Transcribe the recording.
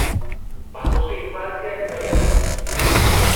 Pasó su infancia en Miami.